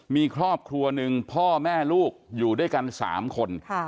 มีครอบครัวหนึ่งพ่อแม่ลูกอยู่ด้วยกัน๓คน